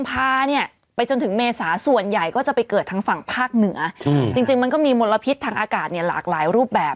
พาเนี่ยไปจนถึงเมษาส่วนใหญ่ก็จะไปเกิดทางฝั่งภาคเหนือจริงจริงมันก็มีมลพิษทางอากาศเนี่ยหลากหลายรูปแบบ